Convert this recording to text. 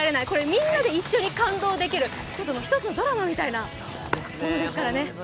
みんなで感動できる、一つのドラマみたいなものですからね。